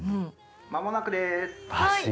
まもなくです。